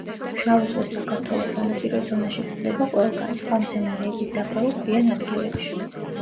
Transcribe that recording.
შავი ზღვის საქართველოს სანაპირო ზონაში გვხვდება ყველგან, წყალმცენარეებით დაფარულ ქვიან ადგილებში.